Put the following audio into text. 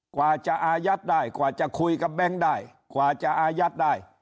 กว่าจะอายัดได้กว่าจะคุยกับแบงค์ได้กว่าจะอายัดได้